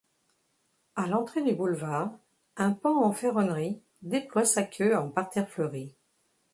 À l'entrée du boulevard, un paon en ferronnerie déploie sa queue en parterre fleuri.